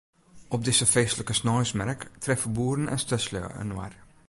Op dizze feestlike sneinsmerk treffe boeren en stedslju inoar.